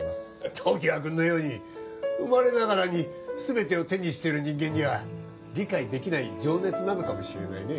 常盤君のように生まれながらに全てを手にしてる人間には理解できない情熱なのかもしれないね